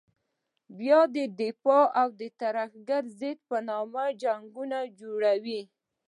بیا د دفاع او ترهګرې ضد په نوم جنګونه جوړوي.